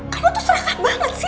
kamu tuh serakat banget sih